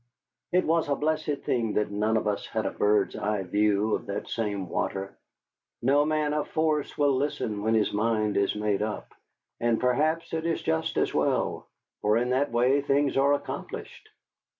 It was a blessed thing that none of us had a bird's eye view of that same water. No man of force will listen when his mind is made up, and perhaps it is just as well. For in that way things are accomplished.